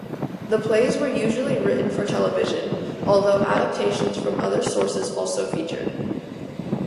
The plays were usually written for television, although adaptations from other sources also featured.